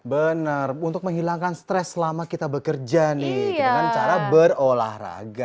benar untuk menghilangkan stres selama kita bekerja nih dengan cara berolahraga